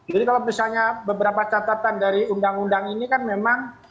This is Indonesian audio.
kalau misalnya beberapa catatan dari undang undang ini kan memang